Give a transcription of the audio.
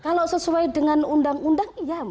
kalau sesuai dengan undang undang iya